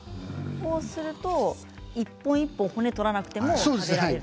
こうすると一本一本骨を取らなくても食べられる。